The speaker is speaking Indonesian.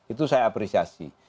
itu saya apresiasi